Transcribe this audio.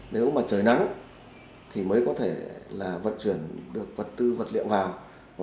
nếu trời nắng thì mới có thể vận chuyển được vật tư vật liệu vào